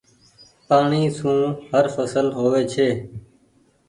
پآڻيٚ سون هر ڦسل هووي ڇي۔